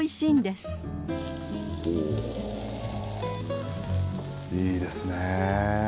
いいですね。